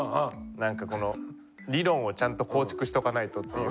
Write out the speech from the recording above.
なんかこの理論をちゃんと構築しとかないとっていう。